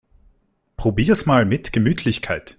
Probier's mal mit Gemütlichkeit!